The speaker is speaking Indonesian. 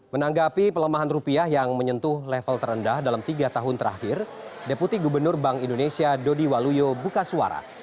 menanggapi pelemahan rupiah yang menyentuh level terendah dalam tiga tahun terakhir deputi gubernur bank indonesia dodi waluyo buka suara